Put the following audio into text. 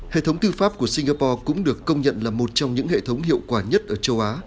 hệ thống tư pháp của singapore cũng được công nhận là một trong những hệ thống hiệu quả nhất ở châu á